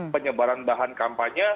penyebaran bahan kampanye